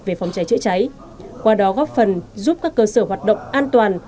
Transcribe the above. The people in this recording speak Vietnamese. về phòng cháy chữa cháy qua đó góp phần giúp các cơ sở hoạt động an toàn